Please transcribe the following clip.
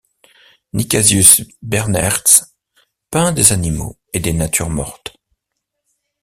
Nicasius Bernaerts peint des animaux et des natures mortes.